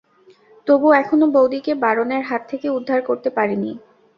তবু এখনো বৌদিকে রাবণের হাত থেকে উদ্ধার করতে পারিনি।